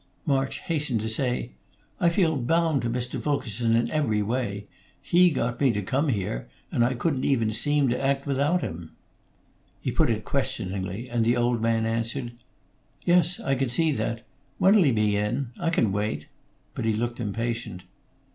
March hastened to say: "I feel bound to Mr. Fulkerson in every way. He got me to come here, and I couldn't even seem to act without him." He put it questioningly, and the old man answered: "Yes, I can see that. When 'll he be in? I can wait." But he looked impatient.